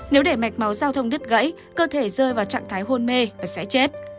nếu để mạch máu giao thông đứt gãy cơ thể rơi vào trạng thái hôn mê và sẽ chết